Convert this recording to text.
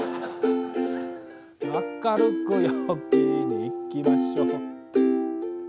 「明るく陽気にいきましょう」